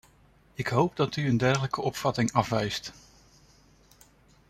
Ik hoop dat u een dergelijke opvatting afwijst.